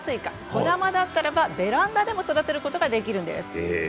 小玉ならベランダでも育てることができるんです。